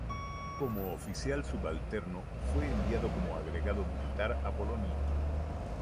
Como oficial subalterno, fue enviado como agregado militar a Polonia.